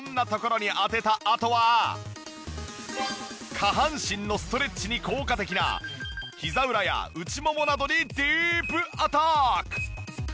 下半身のストレッチに効果的な膝裏や内ももなどにディープアタック！